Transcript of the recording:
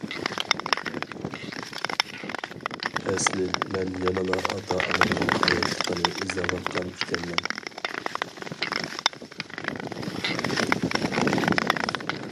ئەسلىي مەن يەنىلا ئاتا-ئانامنىڭ ھاياتلىقىنى ئىزدەۋاتقان ئىكەنمەن.